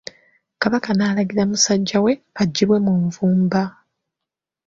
Kabaka n'alagira musajja we aggyibwe mu nvuba.